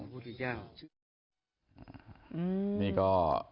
นี่ก็